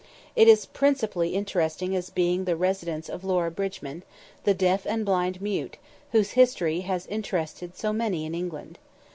It is principally interesting as being the residence of Laura Bridgman, the deaf and blind mute, whose history has interested so many in England.